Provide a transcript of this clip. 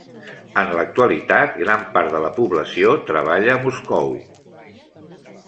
En l'actualitat, gran part de la població treballa a Moscou.